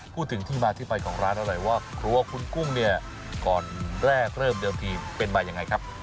พูดถึงที่มาที่ไปของร้านอร่อยว่าครัวคุณกุ้งเนี่ยก่อนแรกเริ่มเดิมทีเป็นมายังไงครับ